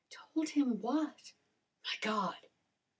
"Told him what?" "My God!